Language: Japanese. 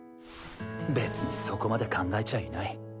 別にそこまで考えちゃいない。